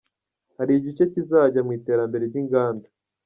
Hari igice kizajya mu iterambere ry’inganda.